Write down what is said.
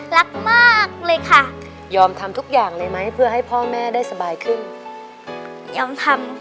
รักมากเลยค่ะ